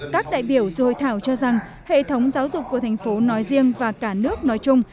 các đại biểu dồi thảo cho rằng hệ thống giáo dục của thành phố nói riêng và cả nước nói chung